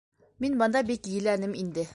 Мин бында бик еләнем инде.